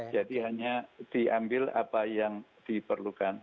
jadi hanya diambil apa yang diperlukan